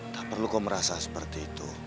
tak perlu kau merasa seperti itu